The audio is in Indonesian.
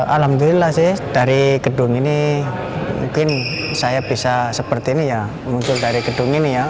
alhamdulillah sih dari gedung ini mungkin saya bisa seperti ini ya muncul dari gedung ini ya